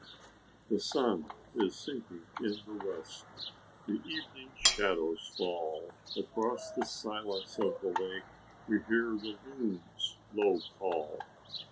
"The sun is sinking in the west, The evening shadows fall; Across the silence of the lake We hear the loon's low call.